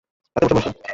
তাতে উঠে বসল।